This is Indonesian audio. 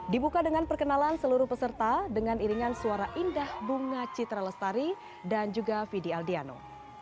dibuka dengan perkenalan seluruh peserta dengan iringan suara indah bunga citra lestari dan juga fidi aldiano